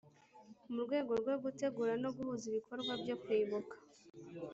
Mu rwego rwo gutegura no guhuza ibikorwa byo kwibuka